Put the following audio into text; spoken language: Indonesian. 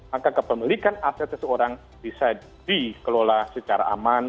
maka kepemilikan aset seseorang bisa dikelola secara aman